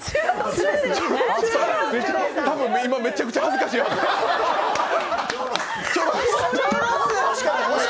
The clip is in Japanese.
多分今、めちゃくちゃ恥ずかしいと思います。